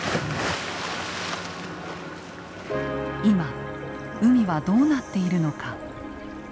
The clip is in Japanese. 今海はどうなっているのか。